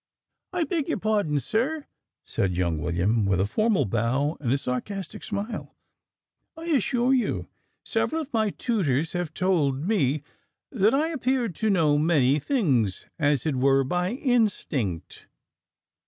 "I beg your pardon, sir," said young William with a formal bow and a sarcastic smile, "I assure you several of my tutors have told me, that I appear to know many things as it were by instinct."